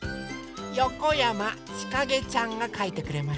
よこやまちかげちゃんがかいてくれました。